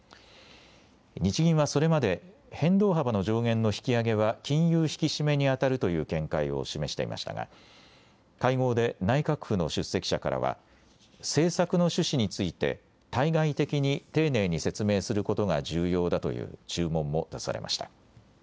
日銀はそれまで、変動幅の上限の引き上げは金融引き締めに当たるという見解を示していましたが、会合で内閣府の出席者からは、政策の趣旨について、対外的に丁寧に説明することが重要だという注文も出されました。